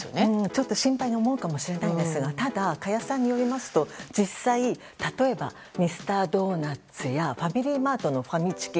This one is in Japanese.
ちょっと心配に思うかもしれませんがただ、加谷さんによりますと実際は例えば、ミスタードーナツやファミリーマートのファミチキ。